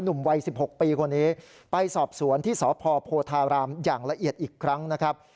หนุ่มวัย๑๖ปีคนนี้ไปสอบสวนที่สพโพธารามอย่างละเอียดอีกครั้งนะครับ